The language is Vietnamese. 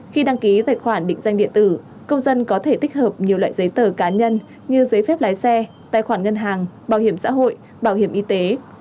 khi đăng ký tài khoản định danh điện tử công dân có thể tích hợp nhiều loại giấy tờ cá nhân như giấy phép lái xe tài khoản ngân hàng bảo hiểm xã hội bảo hiểm y tế